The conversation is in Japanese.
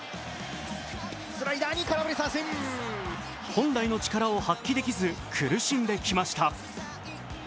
本来の力を発揮できず、苦しんできました。